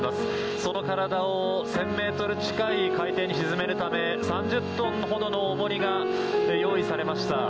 その体を１０００ｍ近い海底に沈めるため３０トンほどの重りが用意されました。